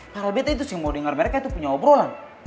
para bete itu sih mau dengar mereka itu punya obrolan